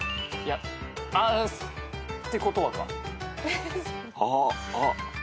ああってことはか。